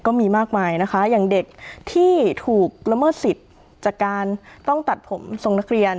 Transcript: ก็มีมากมายนะคะอย่างเด็กที่ถูกละเมิดสิทธิ์จากการต้องตัดผมทรงนักเรียน